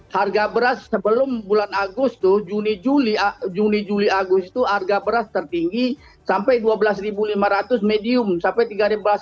harga beras sebelum bulan agustu juni juli agustu harga beras tertinggi sampai dua belas lima ratus medium sampai tiga belas lima ratus